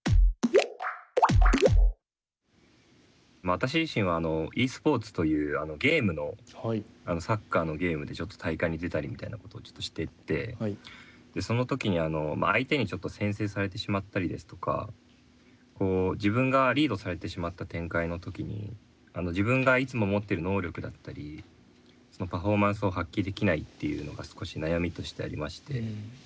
私自身はｅスポーツというゲームのサッカーのゲームでちょっと大会に出たりみたいなことをちょっとしていてその時に相手に先制されてしまったりですとか自分がリードされてしまった展開の時に自分がいつも持ってる能力だったりパフォーマンスを発揮できないっていうのが少し悩みとしてありまして。